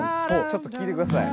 ちょっと聴いてください。